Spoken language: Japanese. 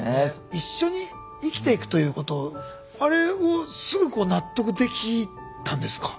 一緒に生きていくということあれはすぐ納得できたんですか？